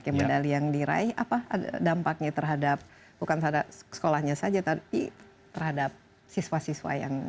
oke medali yang diraih apa dampaknya terhadap bukan sekolahnya saja tapi terhadap siswa siswa yang